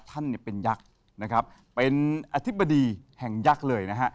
ท่านเนี่ยเป็นยักษ์นะครับเป็นอธิบดีแห่งยักษ์เลยนะฮะ